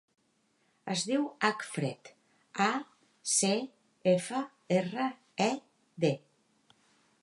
Es diu Acfred: a, ce, efa, erra, e, de.